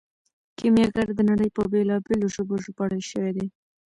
کیمیاګر د نړۍ په بیلابیلو ژبو ژباړل شوی دی.